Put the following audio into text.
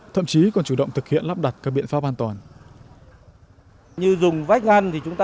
thậm chí còn chủ động thực hiện lắp đặt các biện pháp an toàn